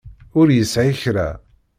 Ur yesɛi kra.